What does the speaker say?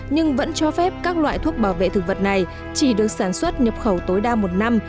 nhưng vẫn cho phép các loại thuốc bảo vệ thực vật này chỉ được sản xuất nhập khẩu tối đa một năm